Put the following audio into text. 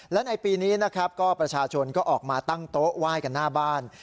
และในปีนี้นะครับก็ประชาชนก็ออกมาตั้งโต๊ะไหว้กันหน้าบ้าน